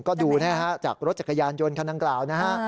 ก็ดูนะฮะจากรถจักรยานยนต์คันดังกล่าวนะฮะ